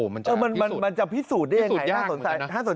มันจะพิสูจน์ได้ยังไงถ้าสนใจสูตรยากเหมือนกันนะ